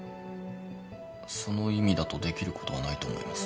その意味だとできることはないと思います。